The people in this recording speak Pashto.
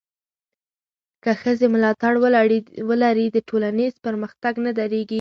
که ښځې ملاتړ ولري، ټولنیز پرمختګ نه درېږي.